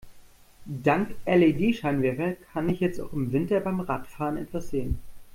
Dank LED-Scheinwerfer kann ich jetzt auch im Winter beim Radfahren etwas sehen.